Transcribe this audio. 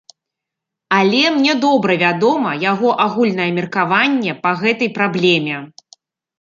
Але мне добра вядома яго агульнае меркаванне па гэтай праблеме.